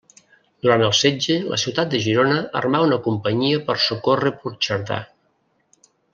Durant el setge, la ciutat de Girona armà una companyia per socórrer Puigcerdà.